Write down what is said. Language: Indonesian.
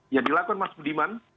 yang dilakukan mas budiman